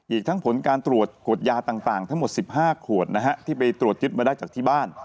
อีกทั้งผลการตรวจขวดยาต่างทั้งหมด๑๕ขวดนะฮะที่ไปตรวจยึดมาได้จากที่บ้าน